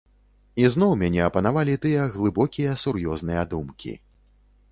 Ізноў мяне апанавалі тыя глыбокія, сур'ёзныя думкі.